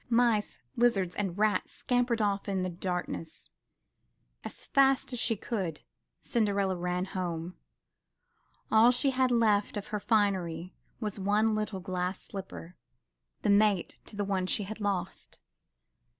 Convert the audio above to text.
Mice, lizards and rat scampered off in the darkness. As fast as she could, Cinderella ran home. All she had left of her finery was one little glass slipper, the mate to the one she had lost.